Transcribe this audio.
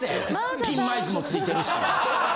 ピンマイクも付いてるし。